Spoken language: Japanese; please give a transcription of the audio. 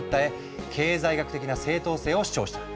経済学的な正当性を主張した。